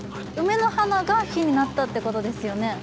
梅の花が火になったってことですよね。